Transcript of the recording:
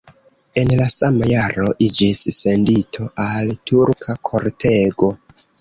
En la sama jaro iĝis sendito al turka kortego.